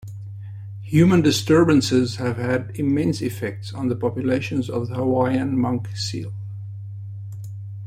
Human disturbances have had immense effects on the populations of the Hawaiian monk seal.